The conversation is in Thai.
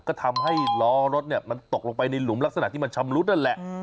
ก็ทำให้ล้อรถมันตกลงไปในหลุมลักษณะที่มันชำรุดนั่นแหละ